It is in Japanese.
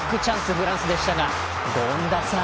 フランスでしたが権田さん。